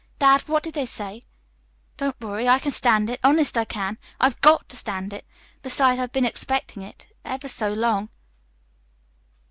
Dad, what did they say? Don't worry. I can stand it honest, I can. I've GOT to stand it. Besides, I've been expecting it ever so long.